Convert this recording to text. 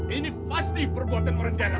ini pasti perbuatan orang dalam